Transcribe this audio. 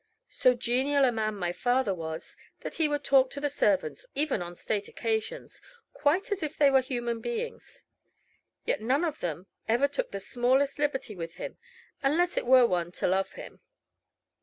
So genial a man my father was that he would talk to the servants, even on state occasions, quite as if they were human beings. Yet none of them ever took the smallest liberty with him, unless it were one to love him.